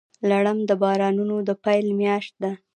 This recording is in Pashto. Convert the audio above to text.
لړم د بارانونو د پیل میاشت ده.